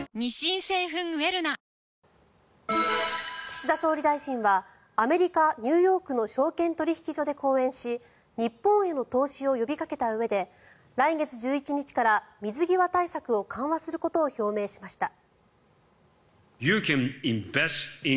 岸田総理大臣はアメリカ・ニューヨークの証券取引所で講演し日本への投資を呼びかけたうえで来月１１日から水際対策を緩和することを表明しました。